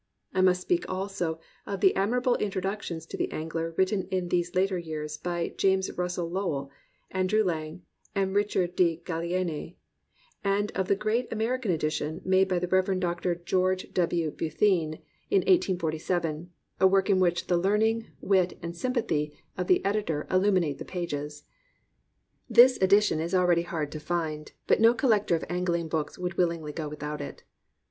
I must speak also of the admirable introductions to the Angler written in these latter years by James Russell Lowell, Andrew Lang, and Richard Le Gallienne; and of the great American edition made by the Reverend Doctor 292 A QUAINT COMRADE George W. Bethune in 1847, a work in which the learning, wit, and sympathy of the editor illuminate the pages. This edition is already hard to find, but no collector of angling books would wiUingly go without it.